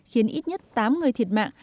khiến ít nhất tám người thiệt mạng